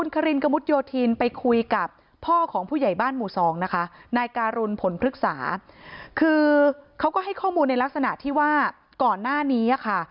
ครินกระมุดโยธินไปคุยกับพ่อของผู้ใหญ่บ้านหมู่สองนะคะนายการุณผลพฤกษาคือเขาก็ให้ข้อมูลในลักษณะที่ว่าก่อนหน้านี้ค่ะ